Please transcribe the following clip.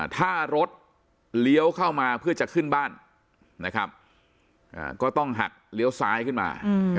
ถ้ารถเลี้ยวเข้ามาเพื่อจะขึ้นบ้านนะครับก็ต้องหักเลี้ยวซ้ายขึ้นมา